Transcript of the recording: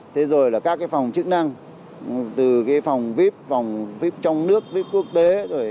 các phòng chức năng từ phòng vip phòng vip trong nước vip quốc tế